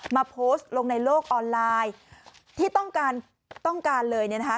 มาโพสต์ลงในโลกออนไลน์ที่ต้องการต้องการเลยเนี่ยนะคะ